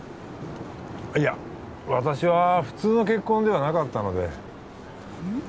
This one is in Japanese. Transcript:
いや私は普通の結婚ではなかったのでうん？